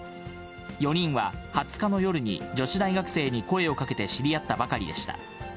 ４人は２０日の夜に女子大学生に声をかけて知り合ったばかりでした。